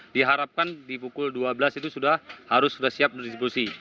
diharapkan di pukul dua belas itu sudah harus sudah siap berdiskusi